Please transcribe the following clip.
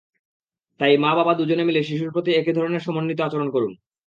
তাই মা-বাবা দুজনে মিলে শিশুর প্রতি একই ধরনের সমন্বিত আচরণ করুন।